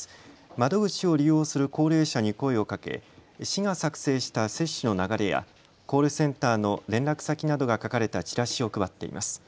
窓口を利用する高齢者に声をかけ市が作成した接種の流れやコールセンターの連絡先などが書かれたチラシを配っています。